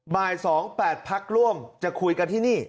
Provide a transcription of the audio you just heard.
บ่าย๒๘พักร่วมจะคุยกันที่นี่